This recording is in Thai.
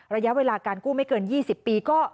ระยะเวลาการกู้ไม่เกิน๒๐ปี